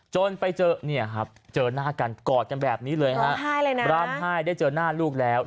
จนไปเจอหน้ากันกอดกันแบบนี้เลยครับร่ำไห้ได้เจอหน้าลูกแล้ว